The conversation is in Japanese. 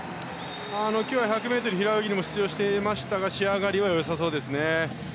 今日は１００ｍ平泳ぎにも出場していましたが仕上がりは良さそうですね。